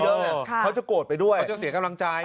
เขาจะโกรธไปด้วยเขาจะเสียกำลังใจ